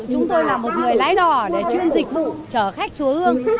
chúng tôi là một người lái đò để chuyên dịch vụ trở khách chùa hương